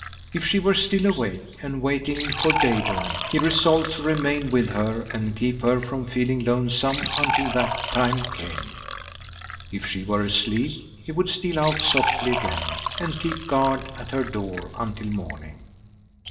If she were still awake, and waiting for day dawn, he resolved to remain with her and keep her from feeling lonesome until that time came if she were asleep, he would steal out softly again, and keep guard at her door until morning.